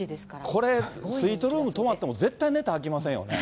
これ、スイートルーム泊まっても、絶対寝たらあきまへんよね。